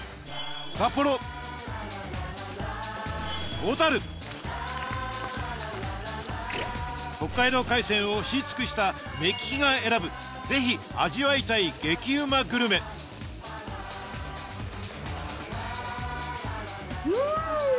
本日は北海道海鮮を知り尽くした目利きが選ぶぜひ味わいたい激ウマグルメん！